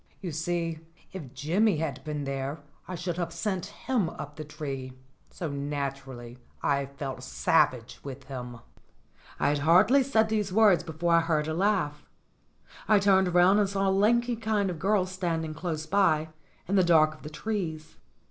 You see, if Jimmy had been there I should have sent him up the tree; so naturally I felt savage with him. I had hardly said these words before I heard a laugh. I turned round and saw a lanky kind of a girl standing close by, in the dark of the trees.